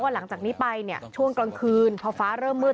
หลังจากนี้ไปช่วงกลางคืนพอฟ้าเริ่มมืด